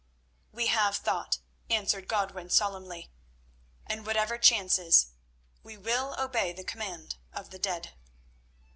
"We have thought," answered Godwin solemnly; "and, whatever chances, we will obey the command of the dead."